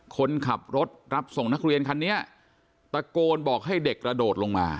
คนขับรถรับส่งนักเรียนคันนี้ตะโกนบอกให้เด็กกระโดดลงมา